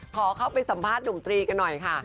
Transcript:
ขอเข้าไปสัมภาษณ์หนุ่มตรีกันหน่อยค่ะ